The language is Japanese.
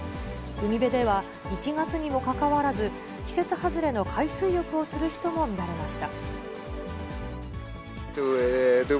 海辺では１月にもかかわらず、季節外れの海水浴をする人も見られました。